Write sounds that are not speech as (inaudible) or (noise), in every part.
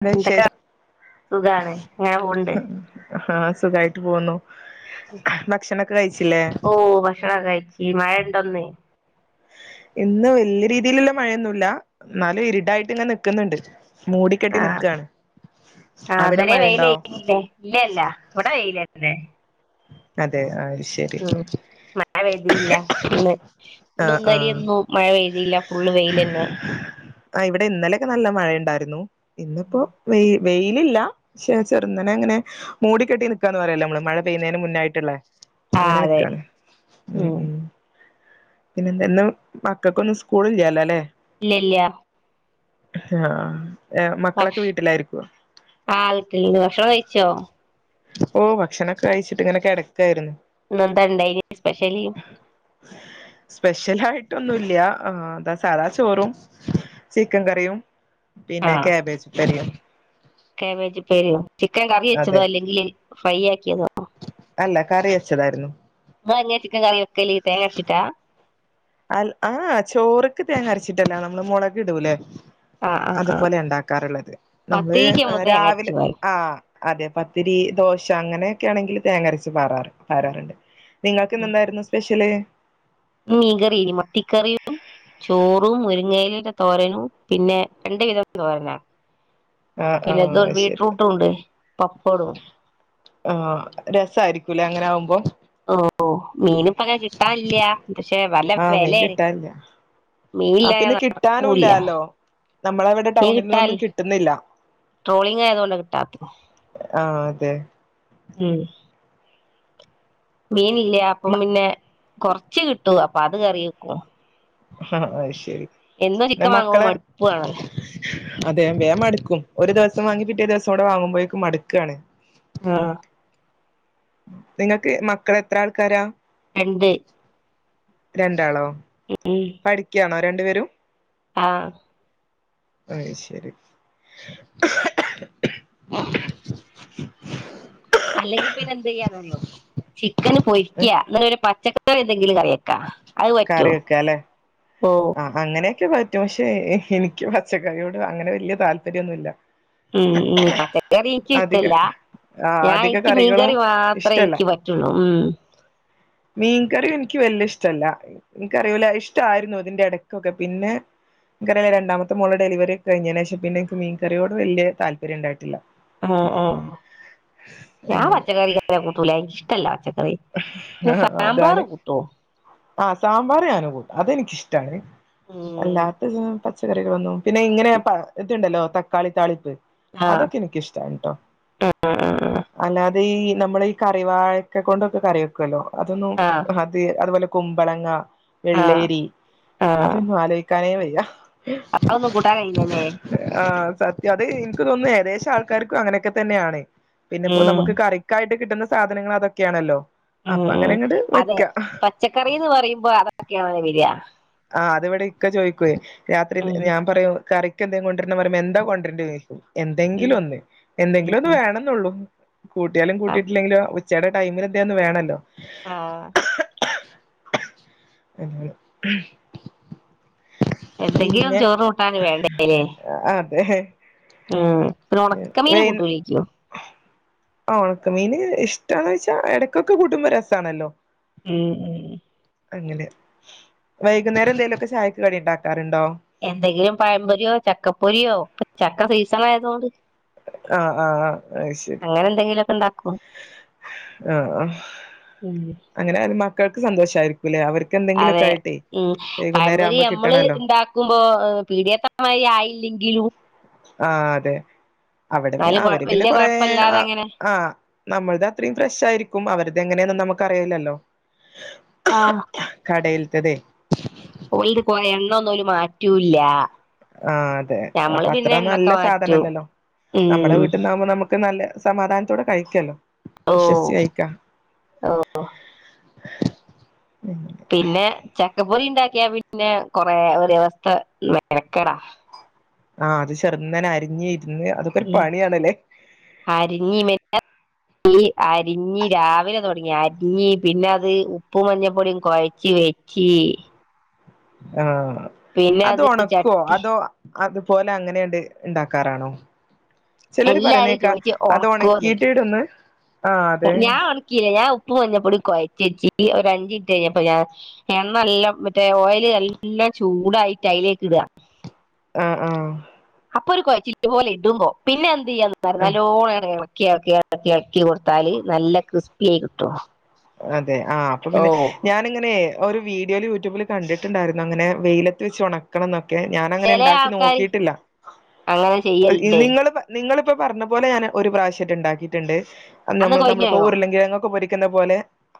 എന്താ എന്തൊക്കെ വിശേഷം ഉം സുഗാണ് ഇങ്ങനെ പോണ്ട് ആ സുഖായിട്ട് പോകുന്നു ആ ഭക്ഷണൊക്കെ കഴിച്ച് മഴ ഉണ്ടോ ഇന്ന് ഇന്ന് വല്യ രീതിയിലുള്ള മഴ ഒന്നുല്യാ എന്നാലും ഇരിടായിട്ട് ഇങ്ങനെ നിക്കുന്നുണ്ട് മൂടിക്കെട്ടി ആ നിക്കാണ് ആ അവിടെ ഇവിടെ മഴയുണ്ടോ വെയിലുണ്ട് ഇല്ലല്ല ഇവിടെ വെയിലാ അതെ അതെ ആഹ് ഉം മഴ പെയ്തില്ല ഇന്ന് ഇന്നും ആഹ് ഇന്നലെ ആഹ് ഒന്നും മഴ പെയ്തില്ല ഫുള്ള് വെയിലന്നെ ആ ഇവിടെ ഇന്നലെ ഒക്കെ നല്ല മഴ ഉണ്ടാർന്നു ഇന്ന് ഇപ്പൊ വെയ് വെയിലല്ല പക്ഷെ ചേരുന്നനേ ഇങ്ങനെ മൂടി കെട്ടി നിക്കാന്ന് പറയില്ലേ നമ്മള് മഴ പെയ്യുന്നതിന് മുന്നെ ആയിട്ടുള്ളെ ആഹ് അങ്ങനെ അതെ നിക്കാണ് ഉം ഉം പിന്നെന്താ ഇന്ന് മക്കക്കൊന്നും സ്കൂള് ഇല്ലാല ലേ ഇല്ലല്ല ആ പക്ഷ് ആ വീട്ടില് ഭക്ഷണം കഴിച്ചോ ഓ ഭക്ഷണൊക്കെ കഴിച്ചിട്ട് ഇങ്ങനെ കിടക്കായിരുന്ന് ഇന്നെന്താ ണ്ടായിനി സ്പെഷ്യൽ ട്ടൊന്നുല്യ സാദാ ചോറും ചിക്കൻ കറിയും പിന്നെ കാബേജുപ്പേരിയും കാബേജുപ്പേരിയോ ചിക്കൻ അതെ കറിവെച്ചോളൂ അല്ലെങ്കിൽ ഫ്രെ ആക്ക്യാ- അല്ല കറിവെച്ചതായിരുന്നു നിങ്ങളെങ്ങനെ ചിക്കൻ കറിവെക്കല് തേങ്ങ അരച്ചിട്ടാ അഹ് ചോറ്ക്ക് തേങ്ങ അരച്ചിട്ടല്ല നമ്മള് മുളക് ഇടൂലെ ആഹ് ആഹ് ആഹ് അതുപോലെ ഉണ്ടാക്കാറുള്ളത് നമ്മള് പത്തിരിക്ക് തേങ്ങ അരച്ച് രാവിലെ പാരും അ അതേ പത്തിരി ദോശ അങ്ങനെ ഒക്കെ ആണെങ്കിൽ തേങ്ങരച്ച് പാറാറുണ്ട് പാരാറുണ്ട് നിങ്ങക്കിന്ന് ഇന്നെന്തായിരുന്നു സ്പെഷല് മീൻ കറിയില്ലേ മത്തിക്കറിയും ചോറും മുരിങ്ങയിലേടെതോരനും രണ്ട് തരം തോരനും ആഹ് പിന്നെ ആഹ് ഇതൂണ്ട് ശരി ബീറ്റ്റൂട്ട് ഉണ്ട് പപ്പടവും ആ രസായിരിക്കുംലേ അങ്ങനെ ആകുമ്പോൾ ഒ ഓ മീന് ഇപ്പോങ്ങനെ കിട്ടാല്ല്യ പക്ഷെ നല്ല ആഹ് മീൻ വെലെണ് കിട്ടാനില്ല ആ പിന്നെ മീനില്ലാതെ ഇറങ്ങൂല്ല കിട്ടാനുംല്ലാലോ നമ്മളവിടെ മീൻ ടൗണിൽന്നൊന്നും കിട്ടാല്ല്യ കിട്ടുന്നില്ല ട്രോളിംഗ് ആയതോണ്ടാ കിട്ടാത്ത് ആഹ് അതെ മീനില്ലാ അപ്പൊ പിന്നെ കൊറച്ച് കിട്ടും അപ്പോ അത് കറിവെക്കും ആ അത് ശരി എന്നും ചിക്കൻ വാങ്ങുമ്പോ മടുപ്പാവില്ലേ അതേ അതേ മടുക്കും ഒരു ദിവസം വാങ്ങി പിറ്റെ ദിവസം ഇവിടെ വാങ്ങുമ്പോഴേക്കും മടുക്കാണ് അ ആ നിങ്ങൾക്ക് മക്കൾ എത്ര ആൾക്കാരാ രണ്ട് രണ്ടാളോ പഠിക്കാണോ രണ്ട് പേരും അ (unintelligible) അല്ലെങ്കി പിന്നെ എന്തിയ്യാനറിയോ ചി- ക്കനിന്ന് പൊരിക്കാ എന്നിട്ടൊരു പച്ചക്കറി (inaudible) എന്തെങ്കിലും കറിവെക്കാം കറിവെക്കാലേ അ അങ്ങനൊക്കെ പ- റ്റും പക്ഷെ എനിക്ക് പച്ചക്കറിയോട് അങ്ങനെ വലിയ താല്പര്യമില്ല ഉം ഉം പച്ചക്കറി എനിക്കും ഇഷ്ടല്ല ആ ഞാൻ അധിക എനിക്ക് മീൻ കറികളും കറി മാത്രേ എനിക്ക് പറ്റുള്ളു ഉം മീൻകറിം എനിക്ക് വല്ല്യ ഇഷ്ടല്ല എനിക്കറിയൂല ഇഷ്ടായിരുന്നു ഇതിൻ്റെ ഇടയ്ക്കൊക്കെ പിന്നെ ഇക്കടെ രണ്ടാമത്തെ മോൾടെ സെലിവറി കഴിഞ്ഞതിന് ശേഷം പിന്നെ എനിക്ക് മീൻ കറിയോട് വലിയ താല്പര്യം ഉണ്ടായിട്ടില്ല അ ആ ഞാൻ അങ്ങനെ പച്ചക്കറി വല്ലാതെ കൂട്ടൂല എനിക്ക് ഇഷ്ടല്ല പച്ചക്കറി സാമ്പാർ അതാണ് കൂട്ടുമോ ആ സാമ്പാർ ഞാനും കൂട്ടും അതെനിക്ക് ഇഷ്ടമാണ് ഉം വല്ലാത്ത ഇതാ പച്ചക്കറി വന്നു പിന്നെ ഇങ്ങനെ കിറ്റ് ഉണ്ടല്ലോ തക്കാളി താളി ആ അതൊക്കെ എനിക്ക് ഇഷ്ടമാണ് കെട്ടോ ആ ഈ നമ്മളി കറി വാഴ കൊണ്ടം കറി വെക്കുമല്ലോ അതൊന്നും ആ ആ (unintelligible) കുമ്പളങ്ങ ആ വെള്ളരി ആ ആ അതൊന്നും ആലോചിക്കാനേ വയ്യ അതൊന്നും കൂട്ടാൻ കഴിയില്ലല്ലേ (unintelligible) ആ സത്യം എനിക്ക് തോന്നുന്നു ഏകദേശം മിക്ക ആൾക്കാർക്കൊക്കെ അങ്ങനെയൊക്കെ തന്നെയാണ് പിന്നെപ്പോ ഉം നമുക്ക് കറിക്കായ കിട്ടുന്ന സാധനങ്ങൾ അതൊക്കെയാണല്ലോ ഉം അപ്പൊ ഉം അങ്ങനെ അങ്ങട് അതെ വെക്ക പച്ചക്കറി എന്ന് പറയുമ്പോ അതൊക്കെയാണ് വരിക ആ അത് ഇവിടെ ഇക്ക ചോദിക്കുവേ രാത്രി ഉം ഞാൻ പറയു കറിക്ക് എന്തെങ്കിലും കൊണ്ട് വരണമെന്ന് പറയുമ്പോ എന്താ കൊണ്ട് വരണ്ടേ എന്ന് ചോദിക്കും ഉം എന്തെങ്കിലും ഒന്ന് എന്തെങ്കിലും ഒന്ന് വേണമെന്നേയുള്ളൂ കൂട്ടിയാലും, കൂട്ടിയിട്ടില്ലെങ്കിലും ചില ടൈമിലൊക്കെ അത് വേണമല്ലോ ആ എന്തെങ്കിലും ചോറ് കൂട്ടാന് വേണ്ടേല്ലേ (unintelligible) അതേ ഉം പിന്നെ ഉണക്കമീന് കൂട്ടൂലേയ്ക്കോ ഉണക്ക മീന് എന്താലെന്നു വച്ചാ ഇടയ്ക്കൊക്കെ കൂട്ടുന്നത് രസാണല്ലോ ഉം (unintelligible) ഉം ഉപയോഗിക്കുന്നവരൊക്കെ ശാരീ (unintelligible) എന്തെങ്കിലും. പഴം പൊരിയോ ചക്ക പൊരിയോ ചക്ക സീസൺ ആയതു കൊണ്ട് ആ ആ അതു ശരി എന്തെങ്കിലുമൊക്കെ ഉണ്ടാക്കും ഉം അങ്ങനെ മക്കൾക്ക് ക്ക് സന്തോഷമായിരിക്കും അതെ ഉം പഴം വൈകുന്നേരം പൊരി ആവുമ്പോ നമ്മൾ കിട്ടണല്ലോ ഉണ്ടാക്കുമ്പോ (unintelligible) ലും ആ അതേ അവിടുത്തെ എന്നാലും കൊഴ അവര് പിന്നെ വല്യ കൊറേ കൊഴപ്പല്ലാതെ ആ അങ്ങനെ ആ നമ്മൾടെ അത്രയും ഫ്രഷ് ആയിരുക്കും അവരു എങ്ങനെയാണെന്ന് നമ്മുക്ക് അറിയില്ലല്ലോ ആ അതേ പോയിത് പോയ് എണ്ണൊന്നും അവര് മാറ്റൂം ഇല്ല ആ അതെ അപ്പം അത്ര നല്ല മാറ്റും സാധനല്ലല്ലോ നമ്മടെ ഉം വീട്ടീന്ന് ആകുമ്പോ നമുക്ക് നല്ല സമാധാനത്തോടെ കഴിക്കാലോ ഓഹ് വിശ്വസിച്ച് കഴിക്കാം ഓഹ് ഉം പിന്നെ ചക്കപ്പൊരി ഉണ്ടാക്കിയാൽ പിന്നെ കൊറേ ഒരു ദിവസത്തെ മെനക്കേടാ ആ അത് ചെറുന്നനെ അരിഞ്ഞ് ഞ്ഞ് അതൊക്കൊരു ഉം പണിയാണല്ലേ പ്പേരി അരിഞ്ഞ് രാവിലെ തൊടങ്ങിയാ അരിഞ്ഞ് പിന്നെ അത് ഉപ്പും മഞ്ഞപ്പൊടിയും കൊഴച്ച് വെച്ച് ആ പിന്നെ അത് ഒണക്കുവോ ചട്ടി അതോ അതുപോലേ അങ്ങനെ അങ്ങട് ഉണ്ടാക്കാറാണോ ചെലര് പറയുന്നെ എല്ലാരും കേക്കാം ചോദിച്ച് അത് ഉണക്കോന്ന് ഒണക്കിയിട്ട് ഇടുംന്ന് ഞാൻ ഒണക്കിയില്ല ഞാൻ ഉ പ്പും മഞ്ഞപ്പൊടിയും കൊഴച്ച് വെച്ചിട്ട് ഒരു അഞ്ച് മിനിട്ട് കഴിഞ്ഞപ്പോ ഞാൻ എണ്ണനല്ല മറ്റേ ഓയിൽ നല്ല ചൂടായിട്ട് അതിലേക്കിടുക ആ ആ അപ്പൊ ഒരു കൊഴച്ചിൽ ഇതുപോലെ ഇടുമ്പോ പിന്നെ അത് (unintelligible) ആഹ് നല്ലവോണം അങ്ങട്ട് ഇളക്കി ളക്കി എളക്കി എളക്കി എളക്കി കൊടുത്താല് നല്ല ക്രിസ്പിയായി കിട്ടും അതെ ആ അപ്പം ഓ പിന്നെ ഞാനിങ്ങനെ ഒരു വീഡിയോയിൽ യൂട്യൂബിൽ കണ്ടിട്ടുണ്ടായിരുന്നു അങ്ങനെ വെയിലത്ത് വെച്ച് ഉണക്കണംന്നൊ ക്കെ ഞാൻ അങ്ങനെ ചില ഉണ്ടാക്കി ആൾക്കാര് നോക്കിയിട്ടില്ല അങ്ങനെ ഇ ചെയ്യലുണ്ട് നിങ്ങള് നിങ്ങള് ഇപ്പം പറഞ്ഞപോലെ ഞാന് ഒരു പ്രാവശ്യം ആയിട്ട് ഉണ്ടാക്കിയിട്ടുണ്ട് അന്ന് നമ്മൾ നമ്മളിപ്പം ഉരുളം കിഴങ്ങൊക്കെ പൊരിക്ക ക്കുന്ന പോലെ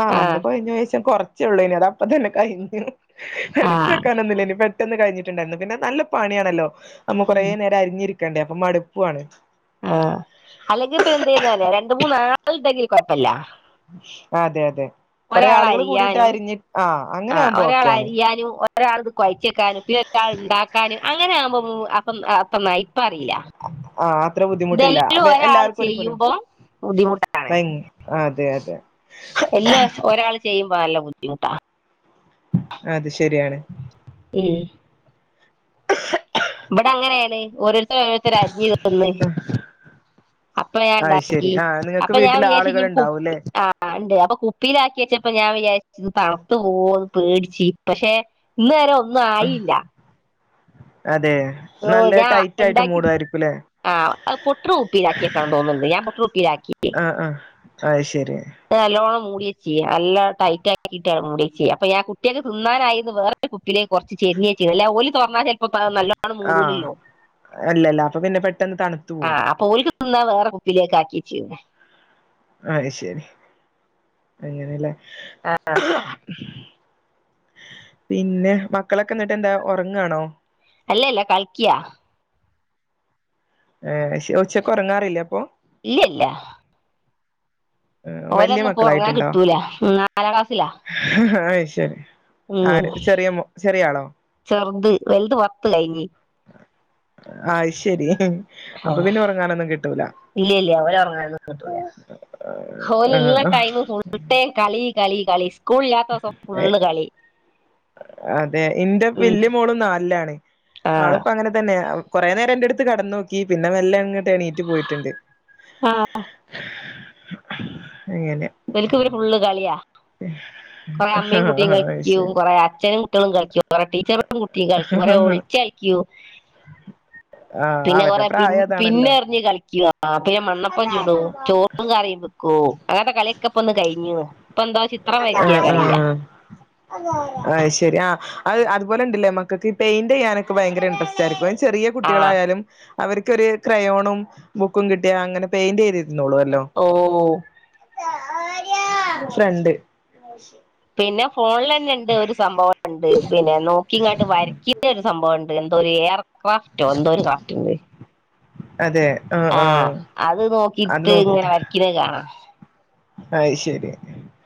ആ അന്ന് കൊഴഞ്ഞു പോയി ലേശം കൊറ ച്ചേ ഉള്ളേന് അതപ്പം തന്നെ കഴിഞ്ഞു ആ എടുത്ത് വെക്കാനൊന്നും ഇല്ലായിരുന്നു പെ പെട്ടെന്ന് കഴിഞ്ഞിട്ടുണ്ടായിരുന്നു പിന്നെ നല്ല പണിയാണല്ലോ നമ്മ കൊറേ ഉം നേരം അരിഞ്ഞിരി ക്കണ്ടേ അപ്പൊ മടുപ്പും ആണ് ആ അല്ലെങ്കിൽ പിന്നെ എന്ത് ഇരുന്നാൽ രണ്ടു മൂന്ന് ആപ്പിൾ ഉണ്ടെങ്കിൽ കുഴപ്പല്യ അതെ അതെ കുറെ ആളുകൾ കൂടീട്ട് അരിയാനും അരിഞ്ഞു ആ അങ്ങനെ ആഹ് ആകുമ്പോൾ ഒരാൾ ഒക്കെ ആണ് അരിയാനും ഒരാൾ കുഴച്ച് വെക്കാനും പിന്നെ ഒരാൾ അത് ഉണ്ടാക്കാനും അങ്ങനെ ആകുമ്പോൾ (unintelligible) അപ്പം അറീല ആഹ് അത്ര ഇത് ബുദ്ധിമുട്ടില്ല എല്ലാം ഒരാൾ എല്ലാവർക്കും ഒരുപോലെ ചെയ്യുമ്പോൾ ബുദ്ധിമുട്ട് ആണ് ഭയ (unintelligible) എല്ലാം ഒരാൾ ചെയ്യുമ്പോൾ ആണല്ലോ ബുദ്ധിമുട്ട് ബുദ്ധിമുട്ടാണ് അത് ശരിയാണ് മ്മ് (inaudible) ഇവിടെ അങ്ങനെ ആണ് ഓരോരുത്തർ ഓരോരുത്തരായി അരിഞ്ഞു തരും അപ്പൊ ഞാൻ അത് ശരി ഉണ്ടാക്കി ആഹ് നിങ്ങൾക്ക് അപ്പൊ ഞാൻ വീട്ടിൽ വിചാരിച്ചു ഇനി ആളുകൾ കുപ്പി ഉണ്ടാവൂല്ലേ ആ ഉണ്ട് കുപ്പീൽ ആക്കി വെച്ചപ്പോൾ ഞാൻ വിചാരിച്ചു തണുത്തു പോകോ എന്ന് പേടിച്ച് പക്ഷെ ഈ നേരം ഒന്നും ആഹ് ആയീല അതെ നല്ല ഞാൻ ടൈറ്റ് ആയിട്ട് ഉണ്ടാക്കി മൂടുവായിരിക്കുംല്ലേ ആ പൊട്ടണ കുപ്പീൽ ആക്കി വെക്കണം എന്ന് തോന്നുന്നുണ്ട് ഞാൻ പൊട്ടണ കുപ്പീൽ ആക്കീൻ ആഹ് ആഹ് അത് ശരി നല്ലോണം മൂടി വെച്ച് നല്ലോം ടൈറ്റ് ആക്കീട്ട് മൂടി വെച്ച് അപ്പൊ ഞാൻ കുട്ടികൾക്ക് തിന്നാൻ അയിന് വേറെ കുപ്പീലേക്ക് കുറച്ചു ചെരിഞ്ഞു വെച്ചീന് അല്ലാതെ ഓൾ തുറന്നാൽ ചിലപ്പോൾ ആ ഇല്ല ഇല്ല അപ്പൊ പിന്നെ പെട്ടെന്ന് തണുക്കും ആ അപ്പൊ ഓൾക്ക് തിന്നാൻ വേറെ കുപ്പി ലേക്ക് ആക്കി വെച്ചീന് അത് ശരി അങ്ങനെ അല്ലെ അ ആ പിന്നെ മക്കളൊക്കെ എന്നിട്ട് എന്താ ഉറങ്ങണോ അല്ല അല്ല കളിക്കാണ് ഏ ശരി ഉച്ചക്ക് ഉറങ്ങാറില്ലേ അപ്പൊ ഇല്ല ഇല്ല ഏഹ് വല്യ ഓലെന്നും ഇപ്പൊ ഉറങ്ങാൻ മക്കളായിട്ടുണ്ടോ കിട്ടൂല നാലാം ക്ലാസ്സിൽ ആണ് അത് ശരി ആര് ചെറിയ ആളോ ത് വലുത് പത്ത് കഴിഞ്ഞു ആയ് ശെരി ഹാ ഇല്ലൃ ഇല്ലൃ ഓര് ഒറങ്ങാണ്. പറ്റൂല ഹേല്ള്ള ടൈമ് ആഹ് ഫുൾടൈം കളി കളീ കളീച്ച് സ്കൂൾ ഇല്ലാത്തൂസം ഫുള്ള് കളി. അതെ, ഇന്റെ ഉം ബല്യ മോള് നാൽലാണേ. ആഹ് ആള്പ്പങ്ങനെ തന്നെയാ കൊറെരം ഇന്നലെ എന്റെടുത്ത് കെടന്നേക്കി, പിന്നെ മെല്ലേങ്ങ്. തേ ണീറ്റ് പോയിട്ട്ണ്ട്. (inaudible) വൽക്ക് ഒരു ഫുള്ള് കളിയാ. കുറെ അമ്മയും, കുട്ടിയും അത് കളിക്കും, ശരി കൊറെ അച്ഛനും കുട്ടൃളും കളിക്കും, കൊറെ ടീച്ചറും കുട്ടിയും കളിക്കും, കുറെ ഒളിച്ചളിക്കും, ആ പിന്നെ അവരുടെ കൊറെ പിൻ പ്രായം അതാണല്ലോ പിന്നെറിഞ്ഞ് കളിക്കൃ, പിന്നെ മണ്ണപ്പം ചുടും ചോറും കറിയും വെക്കും, അങ്ങനത്തെ കളി ത് കഴിഞ്ഞൂ. ആഹ് ആഹ് അഹ് ശരി ആഹ് അഹ് അത്പോലെണ്ട്ല്ലേ മക്കക്ക് ഈ പെയിന്റിയ്യാനൊക്കെ ഭയങ്കര ഇൻട്രസ്റ് ആയിരിക്കും ചെറിയ ആഹ് കുട്ടികളായാലും അവർക്ക് ഒരു ക്രയോണും ബുക്കും കിട്ടിയ അങ്ങനെ പെയിന്റെയ്ത് ഓഹ് (unintelligible) ഫ്രണ്ട് (unintelligible) പിന്നെ ഫോൺലന്നെണ്ട് ഒരു സംഭവംണ്ട് പിന്നെ നോക്കീങ്ങാട്ട് വരയ്ക്കിന്ന ഒരു സംഭവംണ്ട് എന്തോ ഒരു ഏർ ക്രാഫ്റ്റോ എന്തോ ഒരു ക്രാഫ്റ്റ്ണ്ട് അതെ ആഹ് ആഹ് അത് അത് നോക്കിട്ട് ഇങ്ങനെ വരക്ക്‌ണത് കാണാ അയ് ശരി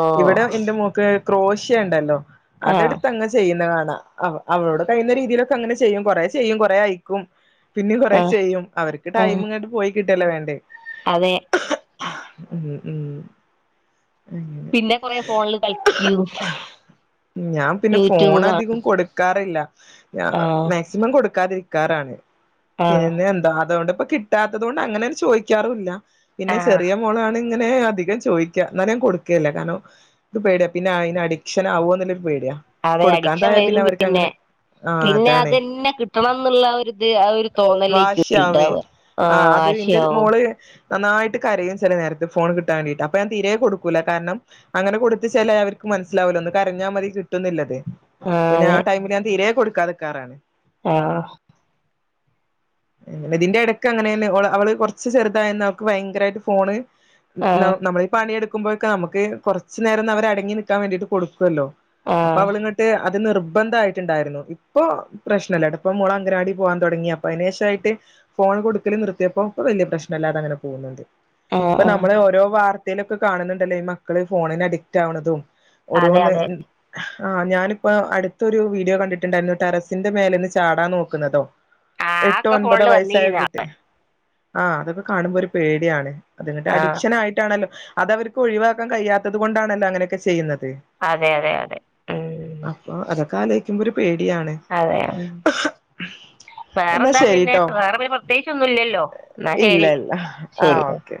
ഓഹ് ഇവടെ എന്റെ മോക്ക് ക്രോഷ്യ ണ്ടല്ലോ ആഹ് അതെട്ത്ത് തന്നെ ചെയ്യുന്ന കാ അഹ് അഹ് അവളുടെ കഴിയുന്ന രീതിയിലൊക്കെ അങ്ങനെ ചെയ്യും കൊറേ ചെയ്യും കൊറേ അയിക്കും പിന്നീം കൊറേ ആഹ് ചെയ്യും അവർക്ക് ആഹ് ടൈമ്ങ്ങട്ട് പോയി കിട്ടല്ലെ വേണ്ട് അതെ ഉം ഉം അങ്ങനെ പിന്നെ കുറെ ഫോണില് കളിക്കും ഞാൻ യുട്യൂബ് കാണും ഞാൻ ആഹ് മാക്സിമം കൊ (unintelligible) പിന്നെ ആഹ് ഇനി എന്തോ അതുകൊണ്ട് - കിട്ടാത്തതുകൊണ്ട് അങ്ങനെ അത് ചോദിക്കാറും ഇല്ല പിന്നെ ആഹ് ചെറിയ മോളാണ് ങ്ങനെ അധികം ചെ ചോയിക്ക ന്നാലും ഞാൻ കൊടുക്കെല്ല കാരണം ഇൻക്ക് പേട്യ പിന്നെ അയിന് അടിക്ഷനാവോ ന്ന് അതെ അഡിക്ഷൻ വരും പിന്നെ അങ്ങനെ ആ പിന്നെ അതാണേ അതന്നെ കിട്ടണംന്നുള്ള ഒരു ഇത് ആ ഒരു തോന്നലേക്ക് വാശിയാവേ ഉണ്ടാവ ആ ആഹ് അത് ഇന്റെ ആശ്യയാവും മോള് നന്നായിട്ട് കരയും ചെലനേരത്ത് ഫോൺ കിട്ടാൻ വേണ്ടിട്ട് അപ് അപ്പഞാൻ തീരേ കൊടുക്കൂല കാരണം അങ്ങനെ കൊട്ത്ത് ചേലായ അവര്ക്ക് മനസ്സിലാവല്ലോ ഒന്ന് കരഞ്ഞാ മതി കിട്ടുന്ന്ല്ലത് ആഹ് പിന്നെ ആ ടൈമില് ഞാൻ തീരെ കൊടുക് കഥകാറാണ് ആഹ ങ്ങനെ ഇതിന്റെട്ക്ക് അങ്ങെനെന്നെ ഓള് അവള് കൊർച്ച് ചെർതായെന്ന് അവക്ക് ഭയങ്കരായിട്ട് ഫോണ് ന ആഹ് നമ്മള് പണിയ എടുക്കുമ്പോക്കെ നമക്ക് കൊർച്ച് നേരം ന്നവര് അടങ്ങി നിക്കാൻ വേണ്ടിട്ട് കൊടുക്കൊല്ലോ അപ്പൊ ആഹ് അവളങ്ങട്ട് അത് നിർബന്ധ ആയിട്ടുണ്ടായിരുന്നു ഇപ്പൊ പ്രശ്നമല്ല ഇട ഇപ്പ മുള അങ്ങനാടി പോകാൻ ആഹ് ഇപ്പൊ ആഹ് നമ്മള് ഓരോ വാർത് ന്തേലൊക്കെ കാണുന്നുണ്ടല്ലോ ഇ മക്കള് ഫോണഡിക്ടാവ്ണതും അതെ ഓരോന്ന് അതെ ആഹ് ഞാനിപ്പോ അടുത്തൊരു വീഡിയോ കണ്ടിട്ട്ണ്ടായിരുന്നു തറസിന്റെ മേലന്ന് ചാടാൻ നോക്കുന്നതോ ആ എട്ടോ ഒക്കെ ഒമ്പതോ ഫോണില് വയസ്സായ വന്നിരുന്നാ കുട്ടി ആഹ് അതൊക്കെ കാണുമ്പോ ഒരു പേടിയാണ് അത്ങ്ങട്ട് ആഹ് അഡിക്ഷൻ ആയിട്ടാണല്ലോ അത അവർക്ക് ഒഴിവാക്കാൻ കഴിയാത്തത് കൊണ്ടാണല്ലോ അങ്ങനെയൊക്കെ ചെയ്യുന്നത് അതെ അതെ അതെ ഉം അപ്പൊ അതൊക്കാല മ്പോരു അതെ എന്നാ വേറെന്താ പിന്നെ ശരിട്ടോ വേറെ പ്രത്യേകിച്ച് ഒന്നുല്ലല്ലോ എന്നാ ഇല്ല ശരി ഇല്ല ആഹ് ശരി ഓക്കെ